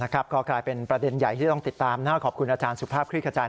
ก็กลายเป็นประเด็นใหญ่ที่ต้องติดตามขอบคุณอาจารย์สุภาพคลิกขจาย